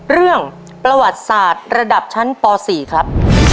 เรื่องประวัติศาสตร์ระดับชั้นป๔ครับ